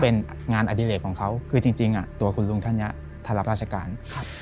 เป็นงานอดิเลกของเขาคือจริงตัวคุณลุงท่านนี้ท่านรับราชการครับ